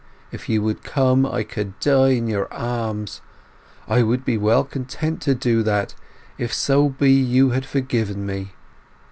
If you would come, I could die in your arms! I would be well content to do that if so be you had forgiven me!...